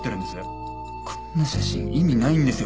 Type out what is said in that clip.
こんな写真意味ないんですよ。